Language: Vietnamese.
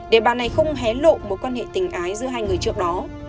để bà này không hé lộ mối quan hệ tình ái giữa hai người trước đó